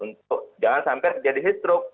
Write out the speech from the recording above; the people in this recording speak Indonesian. untuk jangan sampai terjadi heat stroke